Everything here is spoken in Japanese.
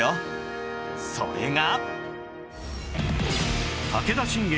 それが